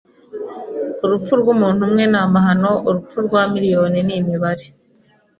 Urupfu rw'umuntu umwe ni amahano, urupfu rwa miriyoni ni imibare.